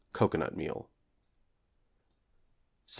cocoanut meal. =75.